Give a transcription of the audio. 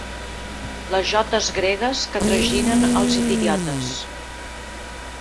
Les jotes gregues que traginen els idiotes.